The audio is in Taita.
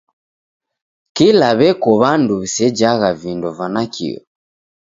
Kila w'eko w'andu w'isejagha vindo va nakio!